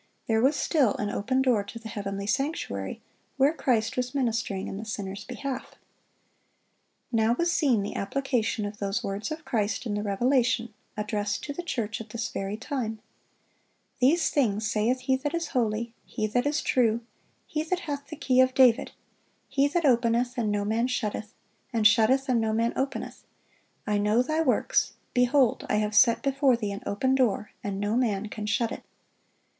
There was still an "open door" to the heavenly sanctuary, where Christ was ministering in the sinner's behalf. Now was seen the application of those words of Christ in the Revelation, addressed to the church at this very time: "These things saith He that is holy, He that is true, He that hath the key of David, He that openeth, and no man shutteth; and shutteth, and no man openeth; I know thy works: behold, I have set before thee an open door, and no man can shut it."